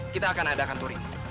kita akan adakan touring